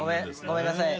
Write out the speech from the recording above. ごめんなさい。